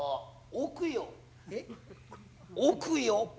奥よ。